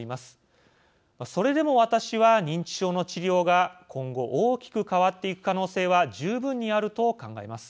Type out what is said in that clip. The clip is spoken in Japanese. それでも私は認知症の治療が今後大きく変わっていく可能性は十分にあると考えます。